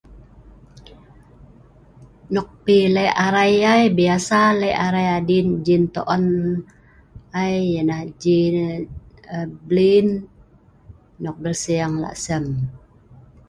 Nok pi leh arai ai biasa le arai adin jintoon ai ya nah jin blin nok belseng lah' sem.